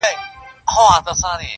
اه بې خود د اسمان ستوري په لړزه کړي,